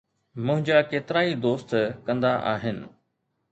منهنجا ڪيترائي دوست ڪندا آهن.